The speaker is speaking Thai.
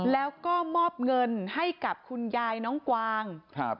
แล้วก็มอบเงินให้กับคุณยายน้องกวางครับ